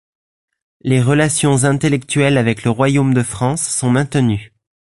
Les relations intellectuelles avec le royaume de France sont maintenues.